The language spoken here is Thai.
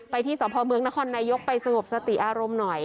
ที่สพเมืองนครนายกไปสงบสติอารมณ์หน่อย